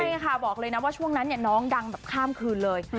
ใช่ค่ะบอกเลยนะว่าช่วงนั้นน้องดังแบบข้ามคืนเลย